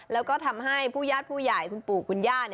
แล้วก็ทำให้ผู้ญาติผู้ใหญ่คุณปู่คุณย่า